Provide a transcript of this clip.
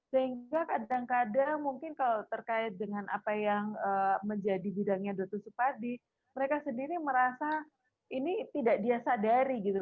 sehingga kadang kadang mungkin kalau terkait dengan apa yang menjadi bidangnya dr supadi mereka sendiri merasa ini tidak dia sadari gitu